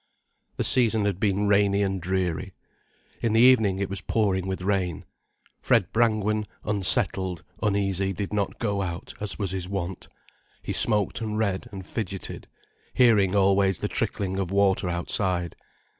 The season had been rainy and dreary. In the evening it was pouring with rain. Fred Brangwen, unsettled, uneasy, did not go out, as was his wont. He smoked and read and fidgeted, hearing always the trickling of water outside.